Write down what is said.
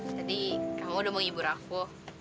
tadi kamu udah mau ibu raffo